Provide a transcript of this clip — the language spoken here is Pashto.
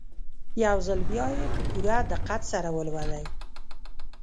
يو ځل بيا يې په پوره دقت سره ولولئ.